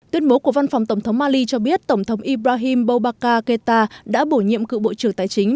tuyên bố của văn phòng tổng thống mali cho biết tổng thống ibrahim bobacar keita đã bổ nhiệm cựu bộ trưởng tài chính